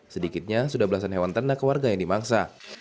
sedikitnya sudah belasan hewan ternak warga yang dimaksa